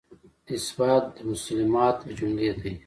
اثبات مسلمات له جملې دی.